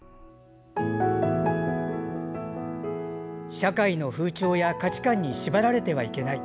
社会の風潮や価値観に縛られてはいけない。